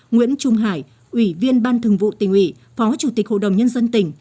nguyễn trung hải ủy viên ban thường vụ tỉnh ủy phó chủ tịch hội đồng nhân dân tỉnh